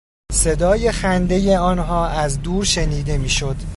صدای خندهی آنها از دور شنیده میشد.